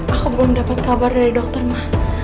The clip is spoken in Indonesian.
aku belum dapat kabar dari dokter mah